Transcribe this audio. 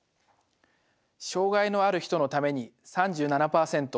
「障害のある人のために」３７％。